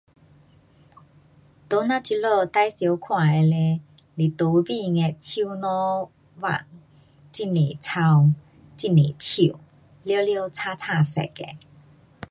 在咱这里最常看的嘞是路边的树丛林，很多草，很多树，全部青青色的。